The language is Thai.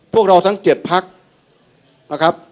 พวกเราทั้ง๗พักนะครับ